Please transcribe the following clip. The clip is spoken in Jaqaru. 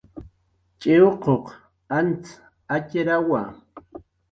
tx'iwquq antz atxrawa